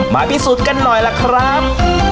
พิสูจน์กันหน่อยล่ะครับ